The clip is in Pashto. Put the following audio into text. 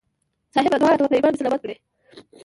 صاحبه دعا راته وکړه ایمان مې سلامت کړي.